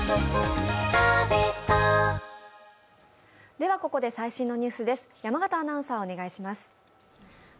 ではここで最新のニュースです。